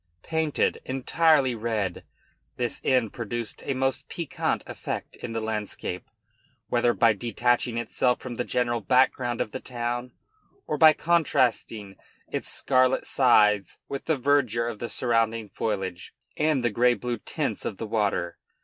Painted entirely red, this inn produced a most piquant effect in the landscape, whether by detaching itself from the general background of the town, or by contrasting its scarlet sides with the verdure of the surrounding foliage, and the gray blue tints of the water.